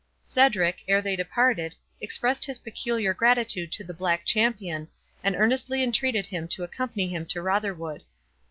Cedric, ere they departed, expressed his peculiar gratitude to the Black Champion, and earnestly entreated him to accompany him to Rotherwood.